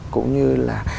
cũng như là